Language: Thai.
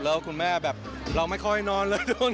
แล้วคุณแม่แบบเราไม่ค่อยนอนเลย